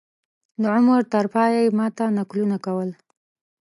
د عمر تر پایه یې ما ته نکلونه کول.